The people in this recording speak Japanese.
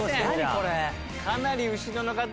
これ。